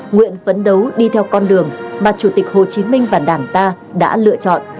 nguyện phấn đấu đi theo con đường mà chủ tịch hồ chí minh và đảng ta đã lựa chọn